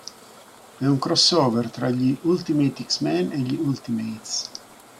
È un "crossover" tra gli Ultimate X-Men e gli Ultimates.